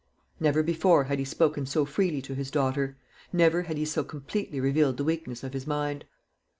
Never before had he spoken so freely to his daughter; never had he so completely revealed the weakness of his mind.